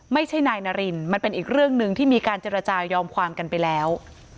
ไม่ใช่นายนารินมันเป็นอีกเรื่องหนึ่งที่มีการเจรจายอมความกันไปแล้ว